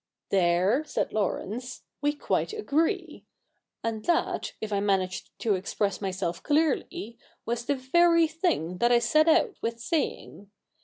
' There,' said Laurence, ' we quite agree : and that, if I managed to express myself clearly, was the very thing that I set out with saying.